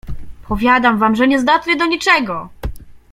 "Powiadam wam, że niezdatny do niczego!"